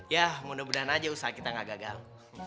ya mudah mudahan aja usaha kita gak gagal